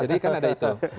jadi kan ada itu